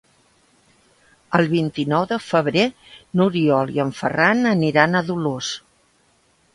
El vint-i-nou de febrer n'Oriol i en Ferran aniran a Dolors.